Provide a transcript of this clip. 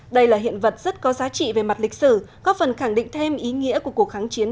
đây là hiện vật rất có giá trị về mặt lịch sử góp phần khẳng định thêm ý nghĩa của cuộc kháng chiến